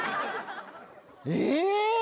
え！